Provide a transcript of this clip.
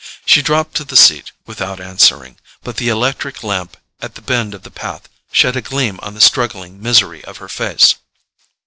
She dropped to the seat without answering, but the electric lamp at the bend of the path shed a gleam on the struggling misery of her face.